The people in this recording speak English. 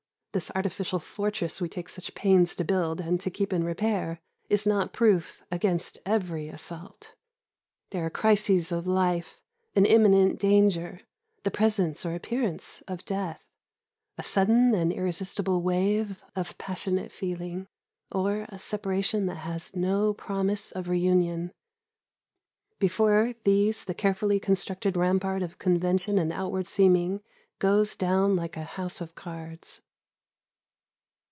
this artificial fortress we take such pains to build, and to keep in repair, is not proof against every assault. There are crises of life an imminent danger, the presence or appearance of death, a sudden and irresistible wave of passionate feeling, or a separation that has no promise of reunion before these the carefully constructed rampart of convention and outward seeming goes down like a house of cards.